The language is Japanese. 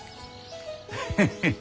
ヘヘヘ。